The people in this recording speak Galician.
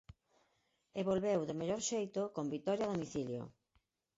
E volveu do mellor xeito, con vitoria a domicilio.